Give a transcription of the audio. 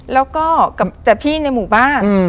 แล้วก็กับแต่พี่ในหมู่บ้าน